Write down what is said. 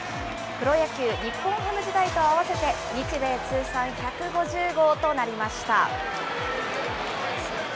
プロ野球・日本ハム時代と合わせて、日米通算１５０号となりました。